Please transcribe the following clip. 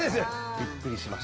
びっくりしました？